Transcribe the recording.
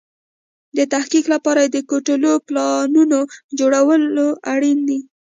د تحقق لپاره يې د کوټلو پلانونو جوړول اړين دي.